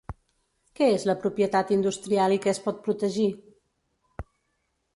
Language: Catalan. Què és la propietat industrial i què es pot protegir?